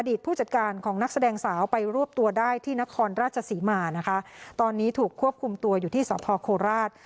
ผู้จัดการของนักแสดงสาวไปรวบตัวได้ที่นครราชศรีมานะคะตอนนี้ถูกควบคุมตัวอยู่ที่สพโคราช